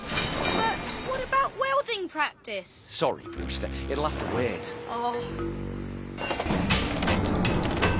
ああ。